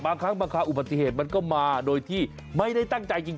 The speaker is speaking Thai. บางครั้งบางคราวอุบัติเหตุมันก็มาโดยที่ไม่ได้ตั้งใจจริง